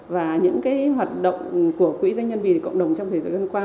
và những cái hoạt động của quỹ doanh nhân vì cộng đồng trong thế giới gần qua